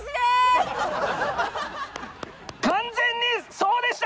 完全にそうでした！